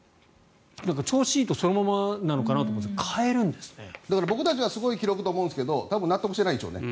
調子いいとそのままのなのかなと思いますが僕たちはすごい記録だと思いますが納得してないんでしょうね。